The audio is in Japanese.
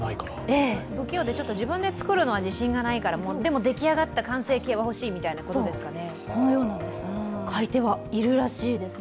不器用でちょっと自分で作るのは自信がないからでも、でき上がった完成形は欲しいみたいなことですかね。